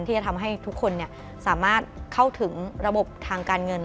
ที่จะทำให้ทุกคนสามารถเข้าถึงระบบทางการเงิน